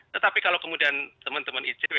tetapi kalau kemudian teman teman icw